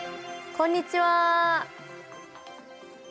こんにちは。